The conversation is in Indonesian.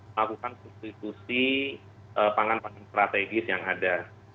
melakukan institusi pangan paling strategis yang ada